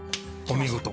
お見事！